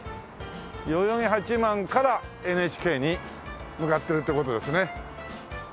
代々木八幡からＮＨＫに向かってるっていう事ですね。